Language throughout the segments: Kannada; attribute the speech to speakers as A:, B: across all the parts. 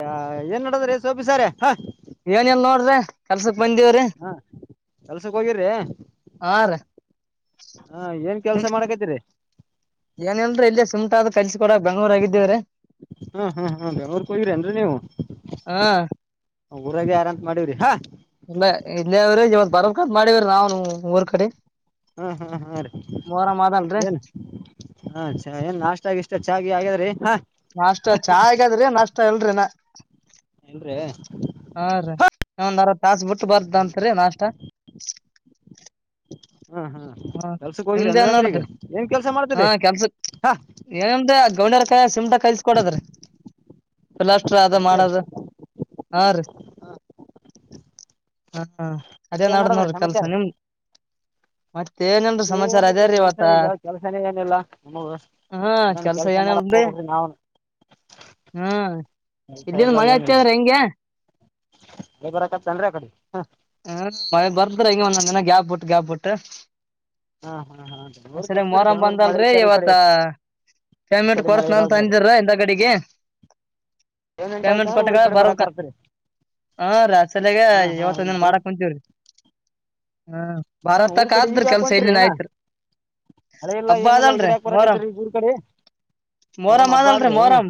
A: ಹ ಏನ್ ನಡದ್ರೀ [unintelligible] ಸೋಬಿಸಾರ ಹ
B: ಏನಲ್ ನೋಡ್ರಿ ಕೆಲ್ಸಕ್ ಬಂದವ್ರಿ
A: ಹಾ. ಕೆಲ್ಸಕ್ ಹೋಗಿರಿ
B: ಹಾ ರೀ
A: ಹಾ ಏನ್ ಕೆಲ್ಸ ಮಾಡಕತಿರಿ
B: ಏನೇಲ್ರೀ ಇಲ್ಲೇ ಸುಂಟ [unintelligible] ಆದ ಕಲ್ಸ
A: ಹ್ಮ ಹಾ ಹಾ ಅವ್ರ [unintelligible] ಕೋಗಿರನ್ರಿ ನೀವು
B: ಹಾ
A: ಊರಾಗ ಯಾರ ಅಂತ ಮಾಡೀವ್ರಿ ಹಾ
B: ಇಲ್ಲ ಇಲ್ಲೇವ್ರ [unintelligible] ಇವತ್ ಬರ್ಬೇಕಂತ ಮಾಡವ್ರ ನಾವ್ ಊರ್ ಕಡೆ
A: ಹ್ಮ್ ಹ್ಮ್ ಹ್ಮ ರೀ
B: ಮೊಹರಂ ಅದಲ್ರಿ
A: ಏನ್ ಹ ಚ [unintelligible] ಏನ್ ನಾಷ್ಟ ಆಾಗಿ ಇಷ್ಟ ಚಾಗಿ ಆಗ್ಯಾದ್ರಿ ಹ
B: ನಾಷ್ಟ ಚಾ ಹಗಾದ್ರಿ ನಷ್ಟ ಎಲ್ರಿ ನ ಹ [unintelligible]
A: ಇಲ್ರಿ
B: ಹಾ ರೀ ಒಂದಾರ ತಾಸಬಿಟ್ಟು
A: ಹ್ಮ್ ಹ್ಮ್
B: ಬರ್ದತ್ರಿ ನಾಷ್ಟ
A: ಹ್ಮ್ ಹ್ಮ್
B: ಹಾ
A: ಕೆಲ್ಸಕ್ ಹೋಗಿರಿ
B: ನಿಮ್ದ
A: ಅಂದ್ರ
B: ಏನ್
A: ಅಂದ್ರ ಈಗ
B: [unintelligible]
A: ಏನ್ ಕೆಲ್ಸ
B: ಹಾ
A: ಮಾಡ್ತೀರಿ
B: ಕೆಲ್ಸ
A: ಹಾ
B: ಏನಮ್ದ ಗೌ [unintelligible] ಕಲ್ಸ ಕೊಡದ್ರೀುಲಾಷ್ಟ್ರ [unintelligible] ಅದ
A: ಅಂದ್ರಿ
B: ಮಾಡದ ಹಾ ರೀ ಹಾ ಅದೇ
A: ಅಷ್ಟೇನ್
B: ನಡ್
A: ನಡದ್ರಿ
B: ನೋಡ್ರಿ ಕೆಲ್ಸ
A: ಸಮಾಚಾರ
B: ನಿಮ್ದ್ - ಮತ್ತ ಏನಲ್ರರಿ ಸಮಾಚಾರ ಅದೆ
A: ಏನಿಲ್ರಿ
B: ರೀ
A: ಕೆಲ್ಸ
B: ಇವತ್ತ
A: ಈಗ ಕೆಲ್ಸನೇ ಏನಿಲ್ಲ ನಮಗ
B: ಹಾ
A: ಏನಾನ
B: ಕೆಲ್ಸ
A: ಮಾಡಕ್
B: ಏನಲ್ರಿ
A: ಹೋಗ್ಬೇಕ್ರಿ ನಾವ್ನು
B: ಹ್ಮ್
A: ಕೆಲ್ಸ
B: ಇಲ್ಲಿನ್ [unintelligible] ಮಳೆ ಹತ್ತ ಅದ್ರ ಹೆಂಗೆ
A: ಅ ಬರಕತ್ತನ್ [unintelligible] ರಿ ಆ ಕಡೆ
B: [unintelligible] ಬರ್ದ್ರ ಈಗ ಒಂದ ನಂದ ಜಿನ ಗ್ಯಾಪ್ ಬಿಟ್ಟು ಗ್ಯಾಪ್ ಬಿಟ್ಟ
A: ಹಾ ಹಾ ಬೆಂಗ್ಳೂರ್ಕ್
B: ಅಸಲ [unintelligible]
A: ಇರ್ತೀರಿ
B: ಮೊರಂಮ್
A: ಬೆಂಗ್ಳೂರ್ಕ್ ಮಳಿ
B: ಬಂದಲ್ರಿ
A: ಇತ್ತಾರ ಈ
B: ಇವತ್ತ
A: ಕಡೆ ಈ
B: ಪೇಮೆಂಟ್
A: ಕಡೆ ಮಳೆ
B: ಕೊಡ್ತನಂತ
A: ಇರಲ್ರಿ ಅದು
B: ಅಂದಿರ ಇಂದ ಕಡಿಗೆ
A: ಆಯ್ತು
B: ಪೇಮೆಂಟ್
A: ಅಂದ್ರೆ ಊರ
B: ಕೊಟ್ಟ
A: ಕಡೆ ಬರಾಕ್
B: ಬರ್ಬ
A: ಬರ್ತರಿ
B: ಹಾ ರೀ
A: ಹಾಂ
B: ಅಸಲಗವತ್ತು
A: ಹಾಂ
B: [unintelligible]
A: ಈಗ
B: ಮಾಡಕ್ ಕುಂತೀವ್ರಿ ಹ್ಮ
A: ಹಾಂ ಊರ
B: ಭಾರತಕ
A: ಕಡೆ ಈಗ
B: ಆದ್ರರು
A: ಯಾಕೆ
B: ಕೆಲ್ಸ
A: ಹೊಂಟಿರಿ
B: ಇಲ್ಲಿನ್
A: ಅಣ್ಣ
B: ಆಯ್ತ್
A: ಮಳೆ ಇಲ್ಲ
B: ಹಬ್ಬ
A: ಏನಿಲ್ಲ ಈ
B: ಆದಲ್ರಿ
A: ಕಡೆ ಯಾಕೆ
B: ಮೊಹರಂ
A: ಬರಾಕತ್ತೀರಿ ಈಗ ಊರ ಕಡೆ ಮೊಹರಮ್
B: ಮೊರಂಮ್
A: ಹಬ್ಬ
B: ಆದಲ್ರಿ
A: ಆದ್ರಿ
B: [unintelligible] ಮೊಹರಂ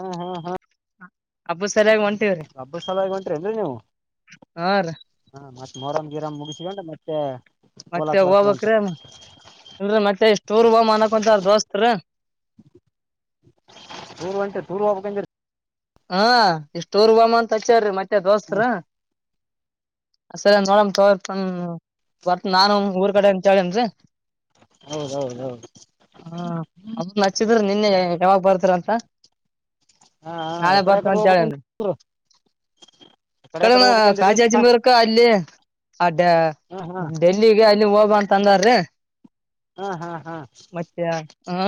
A: ಹಾ ಹಾ ಹಾ
B: ಅಬ್ಬು ಸರಿಯಾಗಿ ಒಂಟ [unintelligible]
A: ಹಬ್ಬ ಸಲಗ [unintelligible] ನೀವು
B: ಹಾ ರೀ
A: ಹ ಮತ್ತ ಮೊರಂ ಗಿರಾಮ್ ಮುಗಿಸಿಕೊಂಡೆ ಮತ್ತೆ
B: ಮತ್ತೆ
A: ಹೋಲಾಕ್ ಬರ್ತದೆ ಅಂತ
B: ಹೋಗ್ಬಕ್ರಿ ಇಲ್ ಮತ್ತೆ ಇಷ್ಟಊರ್ ಹೋಗ ಅನಕೊಂತಾರ [unintelligible] ದೋಸ್ತ್ ರೀ
A: [unintelligible]
B: [unintelligible] ಮತ್ತೆ ದೋಸ್ತರ
A: ಹ್ಞೂ
B: ಹ ಸರಿ ನೋಡ [unintelligible] ತಬರ್ತ ನಾನು ಊರ್ ಕಡೆ ಅಂತ ಹೇಳಿನ್ರಿ
A: ಹೌದು ಹೌದು ಹೌದು
B: ಹ ಅಮ್ಮನ್ ನಚ್ಚಿದ್ರ ನಿನ್ನೆ ಯಾವಾಗ ಬರ್ತೀರ ಅಂತ ಹಾ
A: ಹಾಂ ಹಾಂ
B: ನಾಳೆ
A: ಎಕಡೆ
B: ಬರ್ತೇ
A: ಕಡೆ
B: ಅಂತ ಹೇಳ
A: ಹೋಗ್ಬೇಕಂದ್ ಎಕಡೆ
B: ಕಡಿ
A: ಕಡೆ ಹೋಗ್ಬೇಕಂದಿರಿ
B: ಕಜಿ ಆಜಿ
A: ಹಾಂ
B: ಬರ್ಕ ಅಲ್ಲಿ ಅ
A: ಹಾಂ ಹಾಂ
B: ಡೆಲ್ಲಿಗೆ ಅಲ್ಲಿ ಹೋಗಬಂತ ತಂದಾರ ರೀ
A: ಹಾಂ ಹಾಂ ಹಾಂ
B: ಮತ್ತ ಹಾ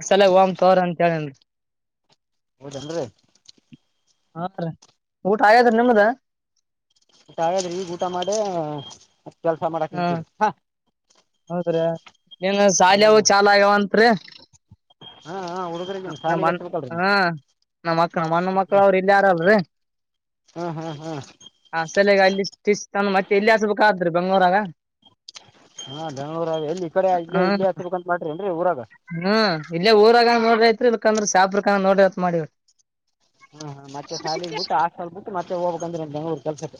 B: ಅಸಲ ಒಮ ತೋರ ಅಂತ ಹೇಳನ್ರಿ
A: ಹೌದೇದ್ರಿ ರಿ
B: ಹಾ ರೀ ಊಟ ಆಯಾದ ನಿಮ್ದ [unintelligible]
A: ಹಾಗಾದ್ರಿ [unintelligible] ಈ ಊಟ ಮಾಡೆ ಕೆಲ್ಸ ಮಾಡಕ್ ನಿಂತೀರಿ ಹಾ
B: ಹೌದ್ರಾ ನೀನ್ ಶಾಲೆವು
A: ಹಾಂ
B: ಚಾಲ ಆಗ್ಯಾವಂತ್ರಿೀ
A: ಹಾಂ ಹಾಂ ಹುಡುಗರಿಗೆ
B: ನ
A: ಶಾಲಿಗೆ ಹಚ್ಬೇಕಲ್ರಿ
B: ಹ
A: ನೀವು
B: ನಮ್ಮ ಮಕ್ ಅಣ್ಣ ಮಕ್ಳ ಅವ್ರ ಇಲ್ ಯಾರಲ್ರಿೀ
A: ಹಾಂ ಹಾಂ ಹಾಂ
B: ಸಲಗ ಅಲ್ಲಿ ಇಷ್ಟ ಇಷ್ಟ ತಾನ ಮತ್ತೆ ಎಲ್ಲಿ ಹಸ್ಬೇಕಾದ್ರರು ಬೆಂಗ್ಳೂರಾಗ
A: ಹಾ ಬೆಂಗ್ಗಳೂರ ಎಲ್ಲಿ ಈ ಕಡೆ ಇಲ್ಲೇ ಇಲ್ಲೇ
B: ಹ್ಮ್
A: ಹಚ್ಬೇಕಂತ ಮಾಡ್ರಿ ನ್ರರಿ ಊರಾಗ
B: ಇಲ್ಲ ಊರಾಗ ನೋಡ್ರಿ ಐತ್ರಿ ಇಲ್ಕಂದ್ರೆ ಸಾಪ್ರ ಕ ನೋಡತ್ ಮಾಡಿವ
A: ಹ್ಮ್ ಹ್ಮ ಮತ್ತೆ ಶಾಲಗ್ ಬಿಟ್ಟು ಆಟಲ್ ಬಿಟ್ಟು ಮತ್ತೆ ಹೋಗ್ಬೇಕಕ್ಂದ್ರೆ ಬೆಂಗ್ಳೂರ್ ಕೆಲ್ಸಕ್ಕೆ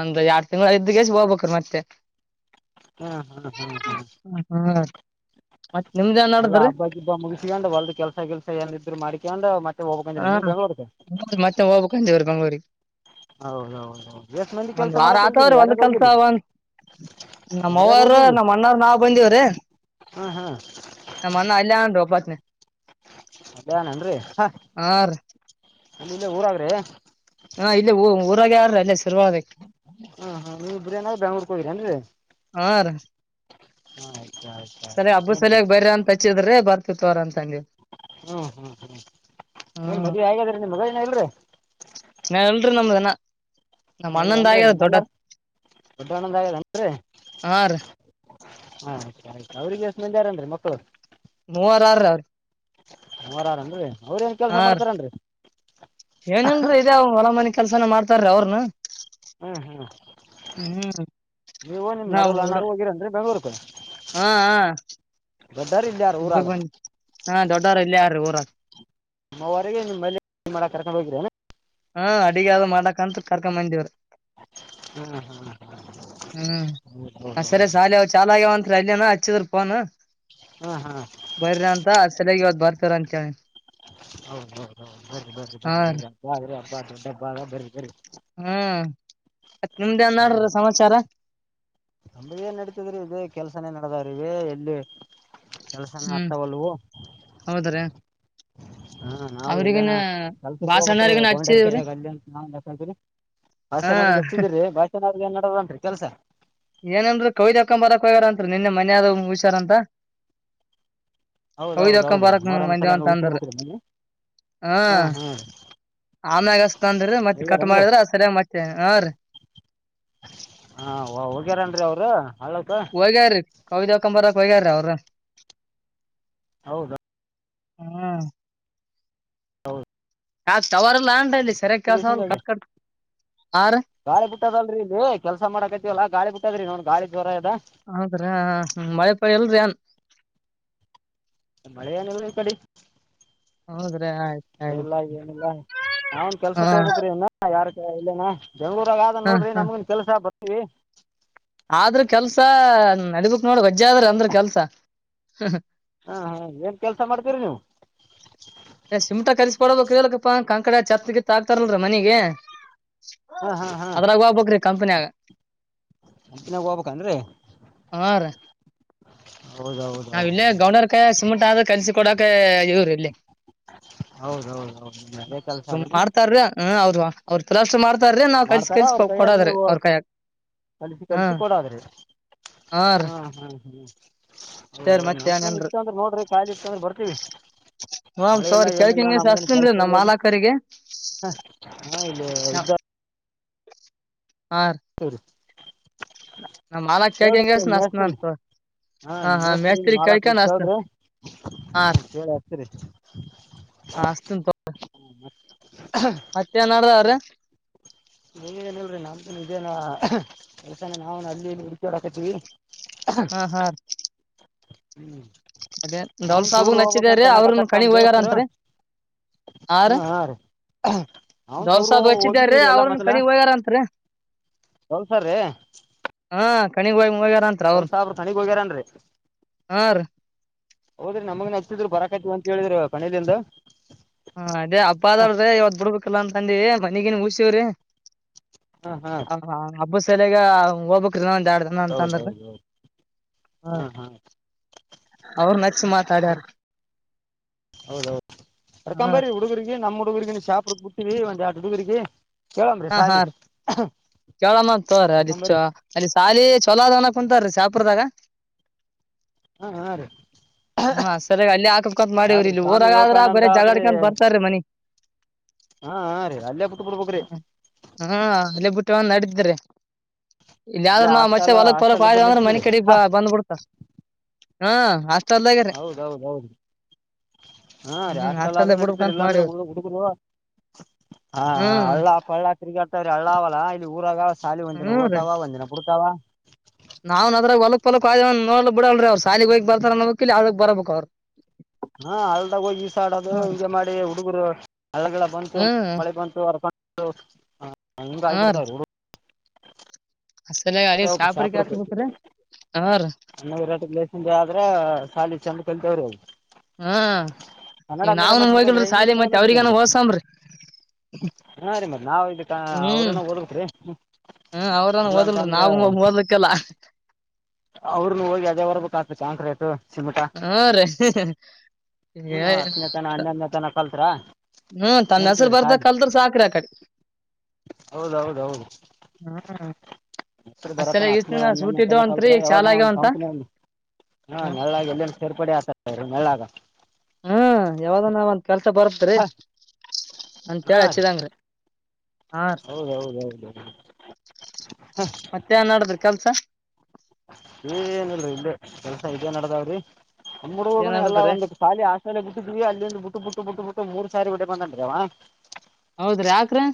B: ಒಂದು್ ಎರಡ್ ತಿಂಗಳು ಇದ್ದಗೆ ಹೋಗ್ಬೇಕ್ರ ಮತ್ತೆ
A: ಹ್ಮ್ ಹ್ಮ್ ಹ್ಮ್ ಹ್ಮ್
B: ಹ್ಮ ಮತ್ ನಿಮ್ದ ಏನ್
A: ಎಲ್ಲಾ
B: ನಡದದ್ರಿ
A: ಹಬ್ಬಕ್ಕಿಬ್ಬ ಮುಗಿಸಿಕೊಂಡ ಹೊಲ್ದ ಕೆಲ್ಸ ಕೆಲ್ಸ ಏನಿದ್ರು ಮಾಡ್ಕೊಂಡ ಮತ್ತೆ ಹೋಗ್ಬೇಕಂದ್ರ
B: ಹಾ
A: ನಿ ಬೆಂಗ್ಳೂರ್ಗೆ
B: ಮಗಳೂರಿ [unintelligible]
A: ಹೌದೌದೌದು ಎಷ್ಟ ಮಂದಿ ಕೆಲ್ಸ
B: ವಾರ
A: ಮಾಡಕ್ ಹೋಗಿಿಲ್ಲ
B: ಆತವ್ರಿ
A: ಯಾರ ಹೋಗಿರ್
B: ನಮ್ಮವರು ನಮ್ಮ್ ಅಣ್ಣ್ರ ನಾವ್ ಬಂದವ್ರೀ
A: ಹಾಂ ಹಾಂ
B: ನಮ್ಮ ಅಣ್ಣ ಅಲ್ಲಯ ಅ ರೋಪತ್
A: ಅಲ್ಲನೇನ್ರಿ
B: ಹಾ ರೀ
A: ಅಲ್ಲಿ ಇಲ್ಲೇ ಊರಾದ್ರೆ
B: ಹಾ ಇಲ್ಲೇ ಹ [unintelligible] ಗ ಯಾರ [inaudible]
A: ಹ ಹಾ ನೀವು ಇಬ್ರ ಏನಾದ್ ಬೆಂಗ್ಳೂರ್ ಹೋಗಿರೇನ್ರಿ
B: ಹಾ ರ
A: ಹಾದು
B: ಸರಿ ಹಬ್ಬು ಸಲಯ ಬೈರ ಅಂತ ಹಚ್ಚಿದ್ರೆ ಬರ್ತ ವರಂತ
A: ಹ್ಮ್ ಹ್ಮ್ ಹ್ಮ್ ನ್
B: ಹ್ಮ್
A: ಮದ್ುವೆ ಹಾಗೇಗಾದ್ರಿ ನಿ ಮಗನ ಇಲ್ರಿ
B: [inaudible] ನಮ್ ಅಣ್ಣಂದ್
A: ಎಲ್ಲನ್ರಿ
B: ಆಗ್ಯದ
A: ನಿಮ್ಮಣ್ಣಾರ
B: ದೊಡ್ಡದ್
A: ದಡ ಆನಂದ್ ಆಗಲ್ಲನ್ರಿ
B: ಹಾ ರೀ
A: ಆಯ್ತು ಆಯ್ತು ಅವ್ರಿಗೆಷ್ಟ ಮಂದಿ ಯಾರನ್ರಿ ಮಕ್ಕಳ್ರು.
B: ಮೂವರ ಅರಾ
A: ಸಾರ ಆರು ಅನ್ರಿ ಅವ್ರ ಏನ್ ಕೆಲಸ ಮಾಡ್ತಾರೇನ್ರರಿ.
B: ಏನ್ರೀ ಇದ ಅವ ಹೊರ ಮನೆ ಕೆಲ್ಸನ ಮಾಡ್ತಾರೀ ಅವ್ರನು
A: ಹ್ಮ್ ಹ್ಮ್
B: ಹ್ಮ್
A: ನೀವು ನಿಮ
B: ನಾವ್
A: ನಡವ ಹಣ
B: ಹುಡು
A: ಹೋಗಿರ ಅಂದ್ರೆ ಬೆಂಗಳೂರು ಹ
B: ಹಾ ಹಾ
A: ದೊಡ್ಡಾರ ಇಲ್ಲ ಯಾರು ಊರಾಗ?
B: ಗಾರ ಇಲ್ಲ ಯಾರ ಊರ
A: ನಮ್ಮವರೆಗೆ ನಿಮ್ಮ ಮಾಡ ಕರ್ಕೊಂಡ್ ಹೋಗಿದ್ರಿ?
B: ಹಾ ಅಡಗ ಯಾವ್ದ್ ಮಾಡಕಂತ ಕರ್ಕ ಬಂದವ್ರ?
A: ಹ್ಮ್ ಹ್ಮ್
B: ಹ್ಮ್ ಸರಿ
A: ಹೌದು
B: ಶಾಲೆ ಚಾಲ ಆವಂತ ಲ್ಲಿಯಣ ಹ ಅಚ್ಚ ತರ್ಪಾನ.
A: ಹಾಂ ಹಾಂ
B: ಬರ್ರ ಅಂತ ಸಲಗೆ ಹ ಬರ್ತರಂತ
A: ಹೌದೌದು ಬನ್ ಬನ್ರಿ ಬನ್ರಿ
B: ರೀ
A: ಬಿರೆ ಅಪಾರ್ಟ್ಮೆ ಹಬ್ ತರ ಬರಿ
B: ಹ್ಮ ನಿಮ್ದೇನ್ ನಡ್ದದ ಸಮಾಚಾರ?
A: ನಂಬ ಏನ್ ನಡತಿದ್ರಿ ಇ ಕೆಲ್ಸಾನೇ ನಡದಾವ ಇ ಎಲ್ಲಿ? ಕೆಲ್ಸನ
B: ಹ್ಮ್
A: ಆತಾವಲ್
B: ಹೌದ್ರಿ
A: ಹಾ ನಾವು
B: ಅವ್ರಿಗನ
A: ಎಲ್ಲೇನ ಕೆಲ್ಸಕ್ಕೆ ಹೋಗ್ರಿ
B: ಬಾಸಣ್ಣರಿಗನ ಹಚ್ಚಿದವ್ರಿ
A: ಗೌಂಡರ್ಕಾಯಾಗ ಅಲ್ಲಿ ಅ ನ ಶಂತು ರ
B: ಹಾ
A: ಭಾಷೆ ನ ಹೆಚ್ಚಿದೀರ್ರಿ ಭಾಷೆ? ನ್ನಡರನ್ರಿ ಕೆಲ್ಸ?
B: ಏನನ್ರಿ ಕವಿದ ಹಾಕೊ ಬರಕ್ ಹೋಗ್ಯಾರತ್ರಿ ನಿನ್ನೆ ಮನ್ದ ಹುಷಾರಂತ. ದ್
A: ಹೌದೌದ
B: ಹಕೊ
A: ಹೌದ್ರೀ
B: ಬರಕ್
A: ಮೊಹರಂ ಸಲ
B: ಮಂದಂತಂದ್ರಿ
A: ಉಸಿರ್ಬೇಕ್ರೀ ಮನಿ
B: ಹ
A: ಹಾ ಹಾ
B: ಆಮ್ಯಾಗಸ್ ಅಂದ್ರ ಮತ್ತೆ ಕಟ್
A: ಹೋಗ್ಯಾರನ್ರಿ
B: ಮಾಡಿದ್ರ ಅ್ ಸರಿಯಾಗಿ ಮತ್ತೆ ಹ ರೀ.
A: ಹಗಾರನ್ರಿ ಅವ್ರು? ಹಳ್ಳಕ್ಕ
B: ಹ್ಯಾರೀ ಕವಿದ ಹಕೊಂಡಂಬರಕ್ ಹಗ್ಯಾರೀ ಅವ್ರ [unintelligible]
A: ಹೌದ
B: ಹ್ಮ.
A: ಹೌದು.
B: ಆ ತವರಲ್ಲಾ ಅ. ಸರೆ ಕ ಸ ಕಟ್ಕಟ್.
A: ಗಾಳಿ ಬಿಟ್ಟದಲ್ರಿ ಇಲ್ಲಿ ಕೆಲ್ಸ ಮಾಡಕೈತಿವಲ್ಲಾ ಗಾಳಿ ಬಿಟ್ಟದ್ರಿ ನೋನ್ ಗಾಳಿ ಜ್ವರ ಅದ.
B: ಹೌದ್ರ ಮಳೆ ಪಳಿ ಇಲ್ರಿ ಏನ್
A: ಮಳೆ ಏನ ಈ ಕಡೆ.
B: ಹೌದ.
A: ಇಲ್ಲ ಏನಿಲ್ಲ ನಾವನ್
B: ಹಾ
A: ಕೆಲ್ಸಕ್ ಹೋಗಬಕ್್ರ ಇನ್ನ ಯಾರ ಇಲ್ಲನಾ. ಬೆಂಗಳೂರಗ ಆದ
B: ಹಾ
A: ನೋಡ್ರ
B: ಹಾ
A: ನಮಗನ್ ಕೆಲಸ ಬ. ಹ್ಮ.
B: ಆದ್ರ ಕೆಲ್ಸ ನಡಬೇಕಕ್ ನೋಡ ವಜ್ಜೆ ಆದ್ರ ಅಂದ್ರ ಕೆಲ್ಸ.
A: ಹಾ ಹಾ ಏನ್ ಕೆಲ್ಸ ಮಾಡ್ತೀರಿ ನೀವು.
B: ಶ ಸಿಮಟಾ ಕರ್ಸ್ಕೊಡಬೇಕ ಇರಕಪ್ಪ ಕಂಕಡ ಚಛತ್ಗಿತ್ ಹಾಕ್ತಾರಲ್ರ ಮನಗೆ.
A: ಹಾ ಹಾ ಹಾ
B: ಅದ್ರಾಗ ಹೋಗ್ಬಕ್್ರೀ ಕಂಪನಿಯಾಗ
A: ಕಂಪ್ನ್ಯಾಗ ಹೋಗ್ಬೇಕನ್ರಿ
B: ಹಾ ರೀ.
A: ಹೌದೌದೌದು
B: ನಾವ ಇಲ್ಲೇ ಗೌಂಡರಕಾಯಿ ಸುಮಂಟ್ ಆದ ಕಲ್ಸಿಕ ಕೊಡಕ ಇದ್ರಿ ಇಲ್ಲಿ
A: ಹೌದೌದು ಹೌದು ಅದೇ ಕೆಲ್ಸ ಅದನ್ನ
B: ಮಾಡ್ತಾರ್ರಿ ಹ ಹೌದ್ವಾ. ಅವ್ರ ತಾ್ರ.
A: ಮಾಡ್ತಾರ ಅವ್ರ ಕೈಯಾಗಿ ನೀವು ಕಲಸ
B: ಹಾ
A: ಕಲಸ ಕೊಡಾದ್ರೆ
B: ಹಾ ರೀ
A: ಹ್ಮ ಹ್ಮ್ ಹ್ಮ್.
B: ಅಷ್ಟೇ
A: ಹೌದ
B: ರೀ
A: ನಮಗ
B: ಮತ್ತೇನಿಲ್ರಿ
A: ಇತ್ತುಂದ್ರೆ ನೋಡ್ರಿ ಕ್ದ್ ಇತ್ತುಂದ್ರೆ ಬರ್ತೀವಿ
B: ಹ್ಮ್
A: ಮಳೆ ಇಲ್ಲ
B: ತೋರಿ
A: ಏನಿಲ್ಲ
B: ಕೇಳ್ಕಂಗೆ
A: ನಮಗನ್
B: ಹಚ್ತೀನ್ರಿ
A: ಕೆಲಸ
B: ನಮ್
A: ಇಲ್ಲ ಇಲ್ಲಿ
B: ಮಾಲಾಕರಿಗೆ
A: ಹ ಇಲ್ಲಿ ಇದ್ದ.
B: ಹಾ
A: ಹರಿ.
B: ನಾ ಮಾಲಕ್
A: ಕೇಳ್ರಿ
B: ಕೇಳ್ಕಂಗಸ ಹಸ್ತನನ್
A: ಮೇಸ್ತ್ರಿ
B: ತೋ
A: ಹಾ ಮೇಸ್ತ್ರಿ ಮಾಲತ್ೀ ಕೇಳ್ರಿ ಹಾ
B: ಹಾ
A: ಕೇಳಿ ಹಕ್ತರಿೇನ್
B: ಹಸ್ತನ್ ತೋ ಮತ್ತೇನಡ್ದಾವ್ರೀ
A: ಹೇಳಿ ನಾನ್. ಇ ಇದೇನ ಕೆಲ್ಸಾನ ನಾವವು ಅಲ್ಲಿ ಹುಡುಕಿಯೋರ ಹಾಕತವಿ.
B: ಹಾ ಹಾ ರ.
A: ಹ್ಮ್.
B: ಅದೇ ಡೌಲ್ ಸಾಬ ನಚ್ಚಿದಾರ್ರೀ ಅವ್ರನ್
A: ಅನ್ನಕತ್ತಾರ
B: ಕಣಿ
A: ನಮ್ಮ
B: ಹಗಾರ
A: ದೋಸ್ತರು
B: ಅಂತರಿ ಆ ರ
A: ಹಾಂ ಹಾಂ ರೀ ಅವ್ನು
B: ಡವಲ್
A: ಟೂರ್
B: ಸಾಬ ಹಚ್ಚಿದಾರೀ
A: ಹೋಗಿದ್ದೀವಿ
B: ಅವ್ರನ್ ಕಣಿ ಹಗಾರ ಅತ್ರಿ.
A: ತಲ್ಸ್ರೀ.
B: ಹಾ ಕಣಿಗಾಯಿ್.
A: ಹೊಲ್ಸಬ್ರ ಸಣಿಗ್ ಹೋಗ್ಯಾರನ್ರಿ.
B: ಹಾ ರೀ
A: ಹೌದ್ರಿ ನಮಗನ ಹಚ್ಚತಿದ್ರು ಬರಕಾಯ್ತಿವ ಅಂತ ಹೇಳಿದ್ರ ಮನೇಲಿಿಂದ.
B: ಹಾ ಅೇ ಅಬ್ ಅಳ್ರೀ ಇವತ್ ಬಿಡ್ಬೇಕಲ್ಲ ಅಂತಂದಿ. ಮನಗನ್ ಹಊಸವ್ರೀ.
A: ಹಾಂ ಹಾಂ
B: ಹ ಹಾ ಅಬ. ಸಲಗ ಹೋಗ್ಬೇಕಕ್. ಡಾನ
A: ಹೌದು
B: ಅಂತಂದ್ರ
A: ಹೌದು ಹೌದು
B: ಹ
A: ಹಾಂ ಹಾಂ
B: ಅವರು ನಚ್ಿ ಮಾತಾಡ್ಯಾರ.
A: ಹೌದೌದು
B: ಹಾ
A: ಅರ್ಕೊಂಬರಿ ಹುಡುಗರಿಗೆ ನಮ್ಮ [unintelligible] ಹುಡುಗರಿಗೆ ಶಾಪ ಬಿಡ್ತತಿವಿ ಒಂದ ಎರಡು ಹುಡುಗರಿಗೆ [unintelligible]
B: ಹಾ ಹಾ
A: ಸಾಲಿ
B: ರೀ ಕೇಳೋಣ ತೋ [unintelligible] ರಿ
A: ಕರ್ಕೊಂಬರ್ರಿ
B: ಅ ಅಲ್ಲಿ ಶಾಲಿ ಚಲೋ ಅ ಅನ ಕುಂತಾರೀ ಶಾಪ ಅಪರದಾಗ
A: ಹಾ ಹಾ ರೀ
B: ಹಾ ಸರಿಯಾಗಿ ಅಲ್ಲಿ ಹಾಕಕಂತ ಮಾಡೀವ್ರಿ
A: ಆದ್ರಿ
B: ಇಲ್ಲಿ
A: ಸ್ವಾಮಿ
B: ಊರಗಾದ್ರ ಬರ
A: ವಿವೇಕಾನಂದ ಆದ್ರಿ
B: ಜಾಗಡ್ಕ ಬರ್ತಾರೀ ಮನಿ
A: ಹಾ ಹಾ ರೀ ಅಲ್ಲೇ ಬಿಟ್ಟು ಬಿಡ್ಬೇಕ್ರಿ
B: ಹಾ ಅಲ್ಲೇ ಬಿಟ್ಟು ಒಂದು ನಡಿದ್ರ ಇ ಯ್ರ
A: ಅಲ್ಲೇ
B: ನಾವ್ ಮತ್ತೆ
A: ಹಾಸ್ಟೆಲ್
B: ಹೊಲಕ್ ಪಲಕ್
A: ಹಾಸ್ಟೆಲ್ ಇದ್ರ
B: ಆಯವ ಅಂದ್ರ ಮನ
A: ನಡೀತದ್ರಿ
B: ಕಡೆ ಬ ಬಂದ್ಬಿಡ್ತ ಹಾ ಹಾಸ್ಟೆಲ್ದಾಗ್ರಿ
A: ಹೌದೌದ ಹೌದು ಹಾ
B: ಹ್ಮ್
A: ರಷ್ಟ ಸಾಲ ಆದ್ರೆ
B: ಹಾಸ್ಟೆಲ್ದಾಗ
A: ನಡೀತರಿ
B: ಬಿಡ್ಬೇಕಂತ
A: ಇಲ್ಲಾ ಅಂದ್ರೆ
B: ಮಾಡಿವ್ರಿ
A: ಹುಡು ಹುಡುಗರು ಹ
B: ಹ್ಮ್
A: ಹಳ್ಳ ಹಳ್ಳ [unintelligible] ಅಳ್ಳಾವಲ್ಲ ಇಲ್ಲಿ ಊರಾಗ ಸಾಲಿ ಒಂದಿನ ಓತಾವಂದಿನು ಚವಾ
B: ನಾವ್ ಅದ್ರಾಗ ಹೊಲಕ್ ಪ ಹೊಲಕ್ವ್ ನೋಡ್ಲು ಬಿಡಲ್ರಿ ಅವ್ ಸಾಲಿ ಹೋಗ ಬರ್ತಾರ ನೋ ಕಿ ಅದಕ್ ಬರಬೇಕಕ್ ಅವರು
A: ಹಾ ಅಲ್ದಾಗ ಹೋಗಿಸಾ ಆಡೋದು
B: ಹ್ಮ್
A: ಹಿಂಗೆ ಮಾಡಿ ಹುಡುಗರು ಹಳ್ಳಗಗಳ ಬಂತು
B: ಹ್ಮ್
A: ಮಳೆ ಬಂತು ಹ ಹ ಹ್
B: ಹಾ ರೀ
A: ಕಾಯ್ಡ್ತಾವ
B: ಸರಿಯಾಗಿ ಅಲ್ಲಿ ಶಾಪುರಿಗೆ
A: ಚಪ್ರ
B: ಹಚ್ಬೇಕ್ರಿ ಹಾ ರೀ
A: ಅ ರಟೇಸನ್ ಆದ್ರ ಸಾಲಿ ಚೆಂದ ಕಲ್ [unintelligible] ಸ [unintelligible]
B: ಹ್ಮ ಈಗ ನಾವನು
A: ಹಚ್ಬೇಕಂದ್ರೆ
B: ಹೋಗಿಲ್ರಿ
A: ಇಂಗ್ಲೀಷ್
B: ಶಾಲಿ
A: ಮೀಡಿಯಮ್
B: ಮತ್ತೆ ಅವ್ರಿಗನು
A: ಹಚ್ಬೇಕಂದ್ರೆ
B: ಹೋಸಂಬ್ರಿ [unintelligible]
A: ಹಾಂ ರೀ ಮತ್ತೆ ನಾವು [unintelligible] ಅವ್ರೇನ ಓದ್ [unintelligible]
B: ಹ್ಮ ಅವ್ರನ್ ಹಓದಲ್ರಿ ನಾವು ಮದ್ಲಿಕ್ಕೆಲ್ಲ
A: ಅವ್ರರುನು ಹೋಗಿ ಅದೇ ಬರ್ಬೇಕು ಆಗ್ತು ಚಾಂತ್ ಆಯತು
B: ಹಾ ರೆ ಇ [unintelligible]
A: ಎನು ಹತ್ತನೇ ತನ ಹನ್ನೆೊನೇ ತನ ಕಲ್ತ್ರ
B: ಹ್ಮ್ ತಮ್ಮ ಹೆಸರು
A: ನಡತಿದ್ರಿ
B: ಬರ್ದ
A: ಸಾಲಿ
B: ಕಲ್ದ್ರ ಸಾಕ್ರಿ ಆ ಕಡೆ
A: ಹೌದ ಹೌದ ಹೌದು
B: ಹ್ಮ್
A: ಎಸ್ರು
B: ಅಷ್ಟೆಲ್ಲ
A: ಬರತಾನ ಹತ್ತನೇ
B: ಈಸ್ನ ಸೂಟ್
A: ಹೊನೇ ತನ
B: ಇದ್ದವಂತ್ರಿ
A: ಕಲ್ತ್
B: ಈಗ ಚಾಲ
A: ಯಾವಾಗನ ಒಂದ್
B: ಆಗ್ಯಾವಂತ
A: ಕಂಪ್ನಲಿ ಹ
B: ಹ್ಮ್
A: ನೆರಳಗೆ ಎಲ್ಲೆನ ಸೇರ್ಪಡೆ ಆತ ಸರಿ ಮಳಾಗ
B: ಹ್ಮ್ ಯಾವಗ ನಾವಂತ ಕೆಲ್ಸ ಬರ್ತ್ರಿ
A: ಹಾಂ
B: ಅಂತ ಹೇಳಿ ಹಚ್ಚಿದಂಗ್ರಿ ಹಾ
A: ಹೌದೌದೌದು
B: ಮತ್ತೆನ್ಡದ್ರಿ ಕೆಲ್ಸ
A: ಏನಿಲ್ ರಿ ಇಲ್ಲೇ ಕೆಲ್ಸ ಇದೇ ನಡದಾವ್ರಿ ನಮ್ಮ
B: ಏನ್
A: ಹುಡುಗೋದುನು ಎಲ್ಲ
B: ನಡದದ್ರಿ
A: ಒಂದು ಸಾಲಿ ಆ ಶಾಲೆ ಬಿಟ್ಟಿದ್ವಿ ಅಲ್ಲಿಂದ ಬುಟ್ಟು ಬುಟ್ಟು ಬುಟ್ಟು ಬುಟ್ಟು ಮೂರು ಸಾರಿ ವಿಡಿಯೋ ಬಂದನ್ ರಿ ಅವ
B: ಹೌದ್ರಿ ಆಕ್ರಿ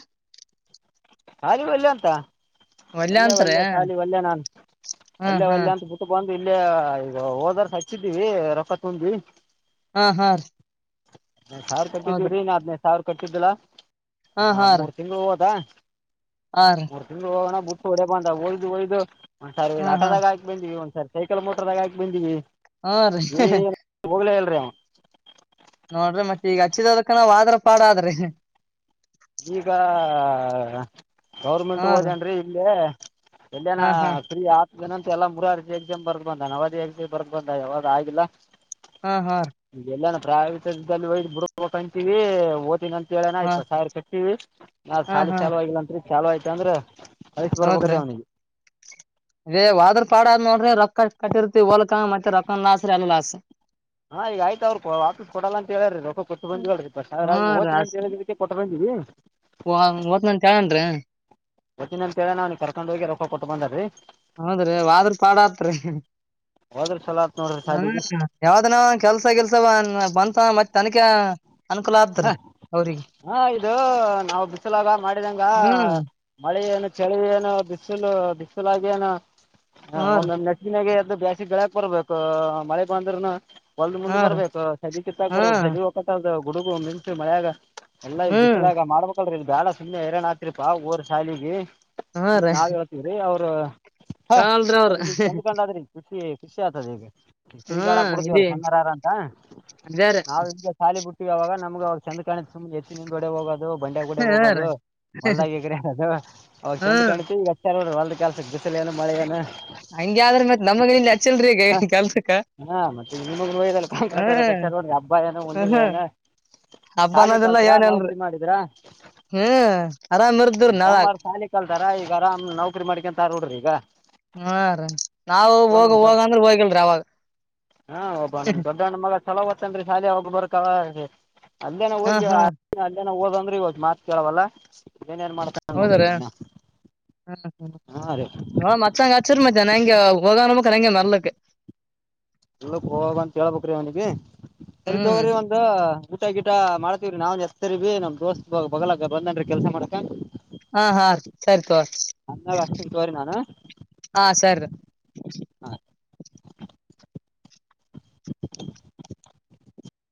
A: ಅಲ್ವ್ ವಿಲ್ಯ ಅಂತ ಒಲ್ಲೆ
B: ಅಂತ್ರಿ
A: ಒಲ್ಲೆ ಸಾಲಿ ಒಲ್ಲೆ ನಾನು
B: ಹ್ಮ್
A: ಒಲ್ಲೆ ಒಲ್ಲೆ
B: ಹ್ಮ್
A: ಅಂತ ಬಿುಟ್ಟಬಂದ್ ಇಲ್ಲೇ ಈಗ ಹೋದಾರ ಹಚ್ಚಿದೀವಿ ರೊಕ್ಕ ತುಂಬಿ
B: ಹಾ ಹಾ
A: ವ್ ಸಾವಿರ್ ತರ್ಟ್ಟಿದ್ದಿವ್
B: ಹೌದ್ರಿ
A: ರೀ ನಿ ಆದ್ಮೇ ಸಾವ್ರ ಕಟ್ಟಿದ್ದಲಾ ಹಾ ಮೂರ್ ತಿಂಗಳು ಹೋದಾ
B: ಹಾ ರೀ
A: ಮೂರ್ ತಿಂಗ್ಳು ಹೋಗನ ಬುಟ್ ಹೊಡ ಬಂದ ಹೋಗಿದ್ದು ಹೋಗಿದ್ದು ಒಂದ್ ಸರಿ ಇವ್ರ್
B: ಹಾ ಹಾ
A: ಆಟದಾಗಿ ಹಾಕಿ ಬಂದ್ವಿ ಒಂದ್ಸರಿ ಸೈಕಲ್ ಮೋಟರ್ದಾಗ ಹಾಕಿ ಬಂದೀವಿ
B: ಹಾ ರೀ
A: ರಿ ಅವ
B: ನೋಡ್ರಿ ಮತ್ತೆ ಈಗ ಹಚ್ಚಿದದಕ ನಾವ್ ಆದ್ರ ಪಾಡ ಆದ್ರಿ
A: ಈಗ ಗೌರ್ಮೆಂಟ್
B: ಹಾ ರೀ
A: ಹೋದೇನ್ರಿ ಇಲ್ಲೇ ಎಲ್ಲಿಯನ
B: ಹಾ ಹಾ
A: ಪ್ರಿ ಆ ಏನಂತ ಎಲ್ಲ ಮುರಾರ್ಜಿ ಎಕ್ಸಾಮ್ ಬರ್ದ ಬಂದ ನವದಿ ಎಕ್ಸಾಮ್ ಬರ್ದ ಬಂದ ಯಾವದು ಆಗಿಲ್ಲ
B: ಹಾ ಹಾ ರಿ
A: ಪ್ರವೀಟ್ ಜಾಗದಲ್ಲಿ ಹೋಗಿ ಬುಡ್ಬೇಕಂತೀವಿ ಓದಿನ ಹೇಳನ
B: ಹಾ
A: ಇಪ್ಪತ್ ಸಾವಿರ ಕಟ್ಟೀವಿ ಹ ನಾ್
B: ಹಾ
A: ಸಾಲಿ
B: ಹಾ
A: ಚಲ ಆವಾಗಿಲ್ಲ ಅನ್ರಿ ಚಲ ಆಯ್ತ ಅಂದ್ರ ಹೈಟ್ ಬರ್ಬೇಕ್ರೀ ಅವನಿಗೆ
B: ಅೇ ಹೊದ್ರ ಪಾಡದ್ ನೋಡ್ರಿ ರೊಕ್ಕ ಕಟ್ಟಿರ್ತೀವಿ ಹೋಲಕ್ಕ ಮತ್ತೆ ರೊಕ್ಕ ಲಾಸ್ರೀ ಅಲ್ಲ ಲಾಸ್
A: ಹಾ ಈಗ ಆಯ್ತ ಅವ್ರು ವಾಪಸ್ ಕೊಡಲ್ಲ ಅಂತ ಹೇಳಾರ್ರೀ ರೊಕ್ಕ ಕೊಟ್ಟು ಬಂದೀವೀ ಇಪ್ಪತ್ತು
B: ಹಾ
A: ಸಾವಿರ
B: ರಾಸ್
A: ಹೋಗ್ತೀನಂತ ಹೇಳಿದಕ್ಕೆ ಕೊಟ್ಟ ಬಂದೀವೀ
B: ಓದ್ನಂತ ಹೇಳನ್ರಿ
A: ಬತ್ತಿನ ಅಂತೇಳಾರೀ ಅವ್ನೀಗ ಕರ್ಕೊಂಡ್ ಹೋಗಿ ರೊಕ್ಕ ಕೊಟ್ಟು ಬಂದಾ ರೀ
B: ಹೌದ್ರಿ ಆದ್ರ ಪಾಡ ಆತ್ರಿ ಹ್ಮ
A: ಹೋದ್ರ ಚಲೋ ಆತ್ ನೋಡ್ರಿ ಶಾಲಿಗಿ
B: ಯಾವ್ದ ನ ಕೆಲ್ಸ ಗಿಲ್ಸ ಬ ಬಂತ ಮತ್ ತನಕ ಅನುಕೂಲ ಆತ್ರಿ ಅವ್ರಿಗೆ
A: ಹಾ ಇದು ನಾವು ಬಿಸಿಲಾಗ ಮಾಡಿದಂಗ
B: ಹ್ಮ್
A: ಮಳೆ ಏನು ಚಳಿ ಏನು ಬಿಸಲು ಬಿಸಲಾಗೇನ ಹಾ ಒಂದೊ್ ನೆಸಿನಾಗ ಜಾಸ್ತಿ ಳಕ್ ಬರ್ಬೇಕ ಮಳೆ ಬಂದ್ರನು ಒಲ್ದ
B: ಹಾ
A: ಮುಂದ್
B: ರೀ
A: ಬರ್ಬೇಕು ಸದಿ ಕಿತ್ತಕ
B: ಹಾ
A: ಬರ್ಬೇಕ ಸದಿ ಹಕ ಗುಡುಗು ಒಂದು ನಿಂತ್ರೀ ಮಳ್ಯಾಗ ಎಲ್ಲಾ
B: ಹ್ಮ್
A: ಬಿಸಲಾಗ ಮಾಡ್ಬೇಕು ಇದು ಬಾಳ ಸುಮ್ಮನೆ ಹೈರಾಣ್ ಆತ್ರಿಪಾ ಊರ್ ಶಾಲಿಗೆ
B: ಹಾ ರೀ
A: ನಾವ್ ಹೇಳತೀವ್ರೀ ಅವ್ರ ಹ ಹ
B: ಕೇಳಲ್ರಿ ಅವ್ರ
A: ಅ್ರ ಚೆಂದ್ಕಂಡಾದ್ರಿ ಖುಷಿ ಖುಸಿ ಆತದೆ ಈಗ ತಿರುಗಾಡಕ್
B: ಹ್ಮ್
A: ಬಿಡ್ತೀವಲ್ಲ
B: ಇಲ್ಲಿ
A: ಸಣ್ಣರಾರ ಅಂತ
B: ಅದೇ ರೀ
A: ನಾವು ಹಿಂಗೆ ಸಾಲಿ ಬಿಟ್ಟ ಅವಾಗ ನಮಗೆ ಅವ ಚಂದ ಕಾಣಿತ್ ಸುಮ್ಗ ಎತ್ತಿಿನಿಂದ್ಗಡೆ ಹೋಗೋದು ಬಂಡೆ ಗೂಡೆ
B: ಹಾ ರೀ
A: ಹೋಗೋದು ಹೊಲ್ದಾಗೆಗ್ರಾಡದು ಅವಾಗ ಚಂದ
B: ಹ್ಮ್
A: ಕಾಣ್ತು ಈಗ ಹಚ್ಚಾರ ನೋಡ್ರಿ ಹೊ ಕ ಸೇ ಏನು ಮಳೆ ಏನು
B: ಹಂಗೆ ಆದ್ರ ಮತ್ ನಮಗ ಇಲ್ಲಿ ಹಚ್ಚಿಲ್ರಿ ಈಗ ಕೆಲ್ಸಕ್ಕ
A: ಹ ಮತ್ತೆ ನಿಗೋಲ್ಲ ಕಾಯಕಟೋರ ಕ
B: ಹ್ಮ್
A: ನೋಡ್ರಿ ಹಬ್ಬ ಏನು ಹುಣ್ಣಿಮೆ
B: ಹ್ಮ್
A: ಏನು
B: ಹಬ್ಬ
A: ಶಾಲಿ
B: ಅನ್ನೋದಿಲ್ಲ
A: ಕಲ್ತ್ರರ
B: ಏನಿಲ್ರಿ
A: ನೌಕರಿ ಮಾಡಿದ್ರ
B: ಹ್ಮ್ ಆರಾಮ್ ಇರ್ದ್ರಿ ನಾಳಾಗ
A: ತಮ್ಮಾರ ಶಾಲಿ ಕಲ್ತಾರ ಈಗ ಆರಾಮ್ ನೌಕರಿ ಮಾಡ್ಕಂತ ನೋಡ್ರಿ ಈಗ
B: ಹಾ ರ ನಾವು
A: ಒಬ್ಬ
B: ಹೋಗ
A: ನಮ್ ದೊಡ್
B: ಹೋಗಂದ್ರೆ ಹೋಗಿಲ್ರಿ ಅವಾಗ
A: ಹಾ ಒಬ್ಬ ನಮ್ ದೊಡ್ಡಣ್ಣ ಮಗ ಚಲೋ ಓದುತಾನ್ರೀ ಶಾಲಿ ಅವ ಒಬ್ಬೊಬ್ಬರ ಅಲ್ಲೇನ
B: ಹಾ
A: ಹೋಗೀ
B: ಹಾ
A: ಓದಂದ್ರೆ ಇವತ್ತ ಮಾತ್ ಕೇಳವಲ್ಲ ಏನೇನ್ ಮಾಡ್ತಾನ ನೋಡ್ರಿ
B: ಹೌದ್ರಾ
A: ಇವ್ನ
B: ಹ್ಮ
A: ಹಾ ರೀ
B: ಹ್ಮ್ ನ ಹಚ್ಚಂಗ ಹಚ್ಚರಿ ಮತ್ತ ಹೆಂಗೆ ಹಾಗ ನ
A: ಹೊಲ್ಲಕ್ ಹೋಗ ಅಂತ ಹೇಳ್ಬೇಕ್ರಿ ಅವನಿಗೆ ಸರಿ
B: ಹ್ಮ್
A: ತುಗೋರೀ ಒಂದ ಊಟ ಗಿಟ ಮಾಡ್ತೀವ್ರೀ ನಾವನ್ ಎಸ್ತರ್ಬೀ ನಮ್ ದೋಸ್ತ್ ಬಗಲಾಗ ಬಂದಾನ್ರೀ ಕೆಲ್ಸ ಮಾಡಕ
B: ಹಾ ಹಾ ಸರಿ ತೋರಿ
A: ಅನ್ನಾಗ ಅಷ್ಟನ್ ತೋರಿ ನಾನು.
B: ಹಾ ಸರ್. ಹ.